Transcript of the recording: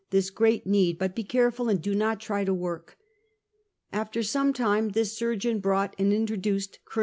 303 this great need ; but be careful and do not try to work." After some time this surgeon brought, and intro duced Col.